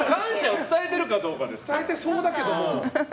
伝えてそうだけど。